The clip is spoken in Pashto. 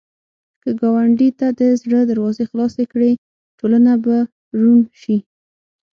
که ګاونډي ته د زړه دروازې خلاصې کړې، ټولنه به روڼ شي